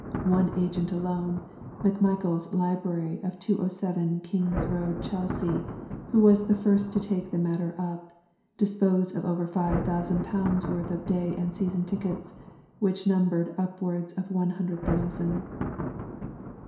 One agent alone, MacmichaelŌĆÖs Library, of 207, KingŌĆÖs Road, Chelsea, who was the first to take the matter up, disposed of over ┬Ż5,000 worth of day and season tickets, which numbered upwards of one hundred thousand.